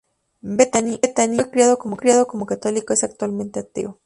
Bettany, que fue criado como católico, es actualmente ateo.